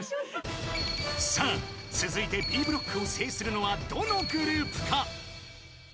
［さあ続いてＢブロックを制するのはどのグループか？］